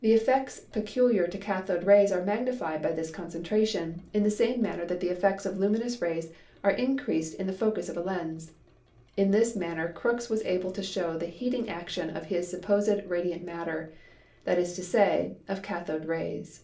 The effects peculiar to cathode rays are magnified by this concentration, in the same manner that the effects of luminous rays are in creased in the focus of a lens. In this manner Crookes was able to show the heating action of his supposed radiant matter; that is to say, of cathode rays.